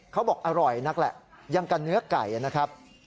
เขาบอกอร่อยนักแหละยังกันเนื้อไก่นะครับ